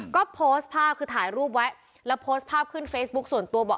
ก็โพสต์ภาพคือถ่ายรูปไว้แล้วโพสต์ภาพขึ้นเฟซบุ๊คส่วนตัวบอก